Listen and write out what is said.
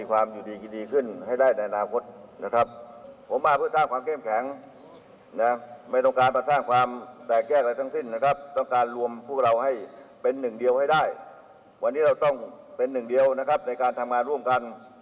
วันนี้เราต้องเป็นหนึ่งเดียวนะครับในการทำงานร่วมกัน